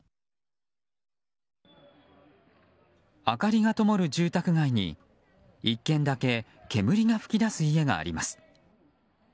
明かりがともる住宅街に１軒だけ煙が噴き出す家があります。